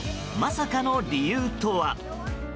まさかの理由とは。